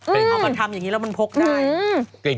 เอามาทำอย่างนี้แล้วมันพกได้